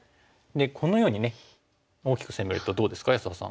でこのように大きく攻めるとどうですか安田さん。